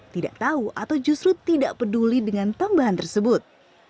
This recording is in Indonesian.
tidak tahu atau justru tidak peduli dengan tambahan tersebut